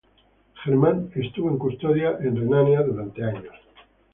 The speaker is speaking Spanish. Germán estuvo en custodia en Renania durante años.